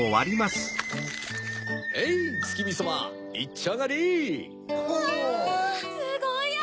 すごいや！